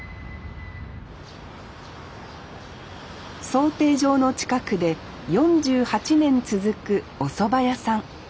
漕艇場の近くで４８年続くおそば屋さん